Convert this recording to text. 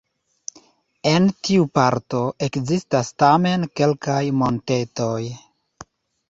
En tiu parto ekzistas tamen kelkaj montetoj.